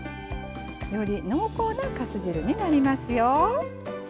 より濃厚なかす汁になりますよ。